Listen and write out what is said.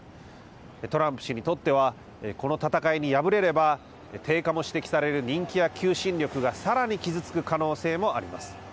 トランプ氏にとってはこの戦いに敗れれば低下も指摘される人気や求心力がさらに傷つく可能性もあります。